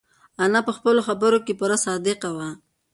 انا په خپلو خبرو کې پوره صادقه وه.